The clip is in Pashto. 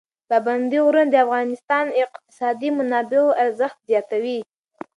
پابندی غرونه د افغانستان د اقتصادي منابعو ارزښت زیاتوي.